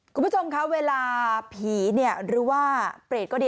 คุณผู้ชมคะเวลาผีหรือว่าเปรตก็ดี